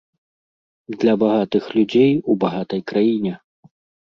Для багатых людзей у багатай краіне.